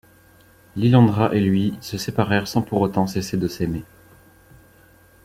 Lilandra et lui se séparèrent sans pour autant cesser de s'aimer.